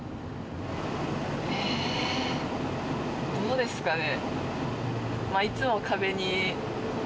えどうですかね。